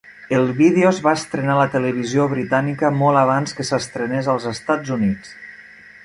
El vídeo es va estrenar a la televisió britànica molt abans que s'estrenés als Estats Units.